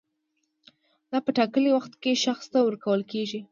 دا په ټاکلي وخت کې شخص ته ورکول کیږي.